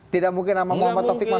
tidak mungkin sama muhammad topik masuk